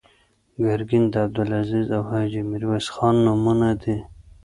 ګرګین د عبدالعزیز او حاجي میرویس خان نومونه دي.